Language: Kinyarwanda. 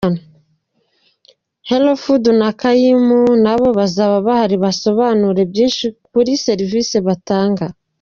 Hello Food na Kaymu nabo bazaba bahari basobanure byinshi kuri serivisi batanga.